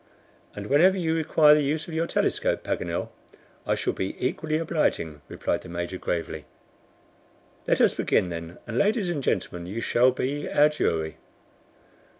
"And whenever you require the use of your telescope, Paganel, I shall be equally obliging," replied the Major, gravely. "Let us begin, then; and ladies and gentlemen, you shall be our jury.